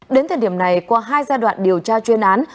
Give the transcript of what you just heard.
đến thời điểm này qua hai giai đoạn điều tra chuyên án